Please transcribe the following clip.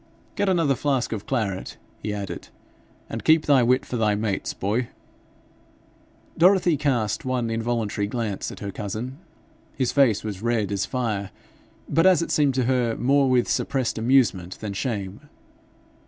'Get another flask of claret,' he added, 'and keep thy wit for thy mates, boy.' Dorothy cast one involuntary glance at her cousin. His face was red as fire, but, as it seemed to her, more with suppressed amusement than shame.